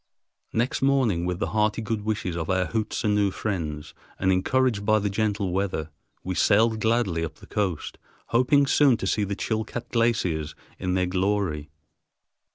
Next morning, with the hearty good wishes of our Hootsenoo friends, and encouraged by the gentle weather, we sailed gladly up the coast, hoping soon to see the Chilcat glaciers in their glory.